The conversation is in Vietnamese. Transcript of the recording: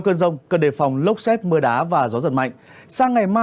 xin chào các bạn